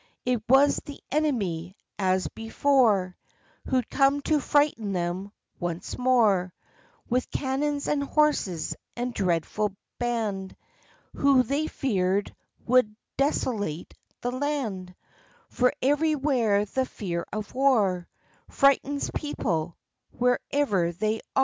It was the enemy, as before, Who'd come to frighten them once more, With cannons and horses, a dreadful band, Who, they feared, would desolate the land; For every where the fear of war Frightens people, wherever they are; Then they all cried, u 0 dear